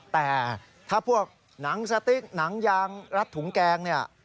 แต่ถ้าพวกหนังสติ๊กหนังยางรัดถุงแกงเนี่ย